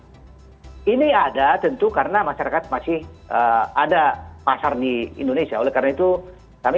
nah ini ada tentu karena masyarakat masih ada pasar di indonesia oleh karena itu kami